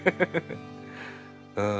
うん。